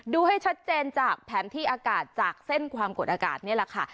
ดูให้ชัดเจนจากแผนที่อากาศจากเส้นความกดอากาศนี่แหละค่ะ